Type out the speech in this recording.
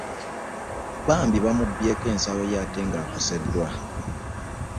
Bambi bamubyeko ensawo ye ate ng'akosedwa .